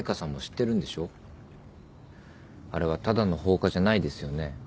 あれはただの放火じゃないですよね。